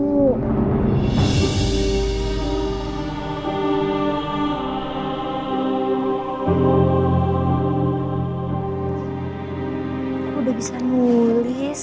aku udah bisa nulis